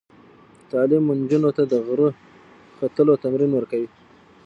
تعلیم نجونو ته د غره ختلو تمرین ورکوي.